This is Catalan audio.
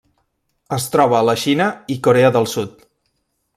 Es troba a la Xina i Corea del Sud.